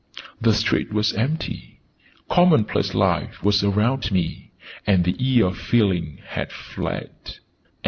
The street was empty, Commonplace life was around me, and the 'eerie' feeling had fled.